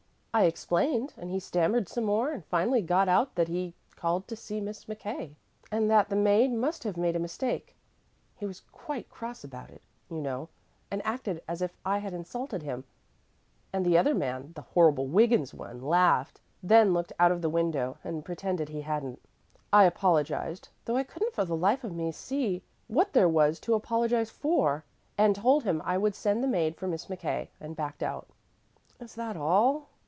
I explained, and he stammered some more, and finally got out that he had called to see Miss McKay, and that the maid must have made a mistake. He was quite cross about it, you know, and acted as if I had insulted him; and the other man the horrible Wiggins one laughed, and then looked out of the window and pretended he hadn't. I apologized, though I couldn't for the life of me see what there was to apologize for, and told him I would send the maid for Miss McKay, and backed out." "Is that all?"